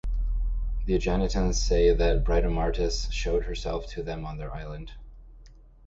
The Aeginetans say that Britomartis showed herself to them on their island.